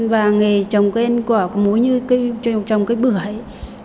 và nghề trồng cây quả của mối như trồng cây bưởi